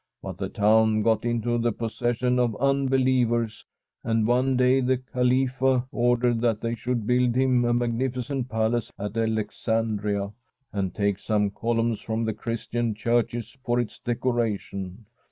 But the town got into the possession of unbelievers, and one day the Khalifa ordered that they should build him a [2371 From a SWEDISH HOMESTEAD magnificent palace at Alexandria, and take some columns from the Christian churches for its decoration.